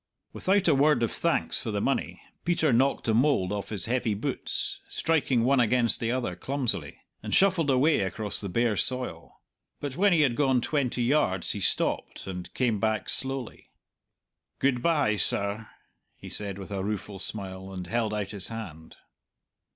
Without a word of thanks for the money, Peter knocked the mould off his heavy boots, striking one against the other clumsily, and shuffled away across the bare soil. But when he had gone twenty yards he stopped, and came back slowly. "Good bye, sir," he said with a rueful smile, and held out his hand.